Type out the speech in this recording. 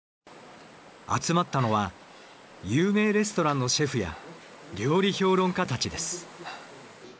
集まったのは有名レストランのシェフや料理評論家たちです。